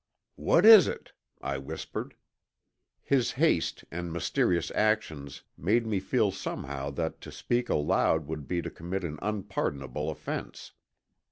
"What is it?" I whispered. His haste and mysterious actions made me feel somehow that to speak aloud would be to commit an unpardonable offense.